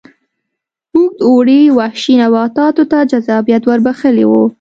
اوږد اوړي وحشي نباتاتو ته جذابیت ور بخښلی و.